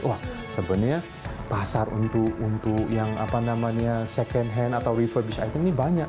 wah sebenarnya pasar untuk yang second hand atau refurbished item ini banyak